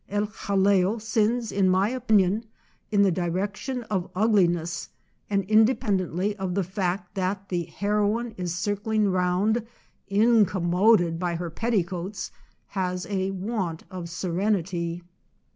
"El Jaleo" sins, in my opinion, in the direction of ug liness, and, independently of the fact that the heroine is circling round incommoded by her petticoats, has a want of serenity.